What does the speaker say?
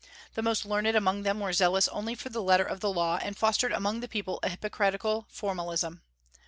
The most learned among them were zealous only for the letter of the law, and fostered among the people a hypocritical formalism.